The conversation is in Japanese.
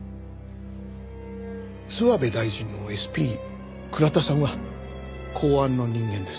諏訪部大臣のＳＰ倉田さんは公安の人間です。